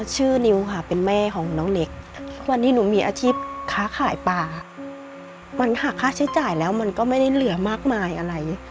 นิ้วค่ะเป็นแม่ของน้องเน็กวันนี้หนูมีอาชีพค้าขายปลามันหาค่าใช้จ่ายแล้วมันก็ไม่ได้เหลือมากมายอะไร